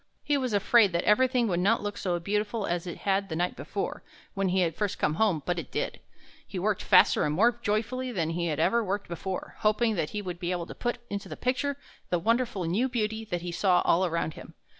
He was afraid that everything would not look so beautiful as it had the night before, when he had first come home, but it did. He worked faster and more joyfully than he had ever worked before, hoping that he would be able to put into the picture the wonderful new beauty that he saw all around him.